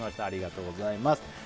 ありがとうございます。